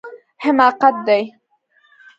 حماقت دی